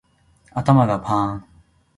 頭がパーン